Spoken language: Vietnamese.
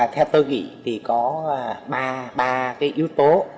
theo tôi nghĩ thì có ba cái yếu tố